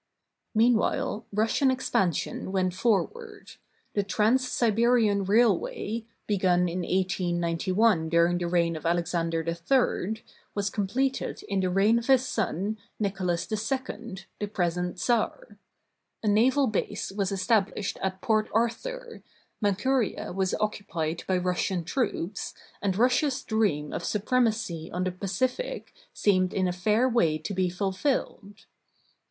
Meanwhile Russian expansion went forward. The Trans Siberian Railway, begun in 1891 during the reign of Alexan der III, was completed in the reign of his son, Nicholas II, the present czar. A naval base was established at Port Ar thur, Manchuria was occupied by Russian troops, and Rus sia's dream of supremacy on the Pacific seemed in a fair way to be fulfilled.